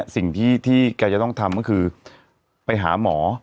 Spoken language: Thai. สิ่งที่แกจะต้องทำก็คือไปหาหมอ